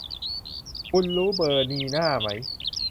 คุณรู้เบอร์นีน่าไหม